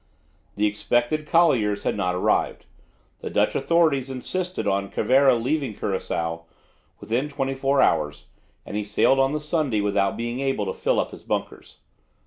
The expected colliers had not arrived; the Dutch authorities insisted on Cervera leaving Curaçao within twenty four hours, and he sailed on the Sunday without being able to fill up his bunkers.